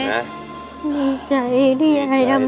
นี่ใจที่ยายทำได้